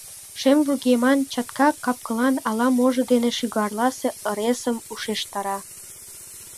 Шем вургеман чатка капкылже ала-можо дене шӱгарласе ыресым ушештара.